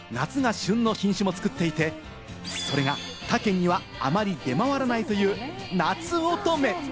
夏が旬の品種も作っていて、それが他県にはあまり出回らないという、なつおとめ。